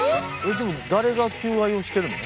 でも誰が求愛をしてるの？